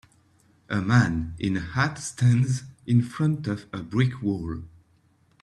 A man in a hat stands in front of a brick wall.